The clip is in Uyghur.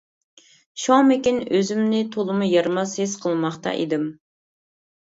شۇڭىمىكىن، ئۆزۈمنى تولىمۇ يارىماس ھېس قىلماقتا ئىدىم.